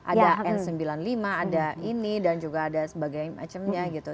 ada n sembilan puluh lima ada ini dan juga ada sebagainya gitu